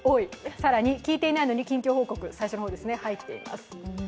更に聞いていないのに近況報告が最初に入っています。